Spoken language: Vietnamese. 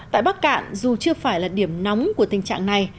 tại bắc cạn dù chưa phải là điểm nóng của tình trạng này